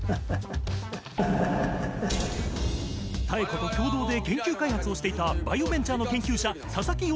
妙子と共同で研究開発をしていたバイオベンチャーの研究者バァ！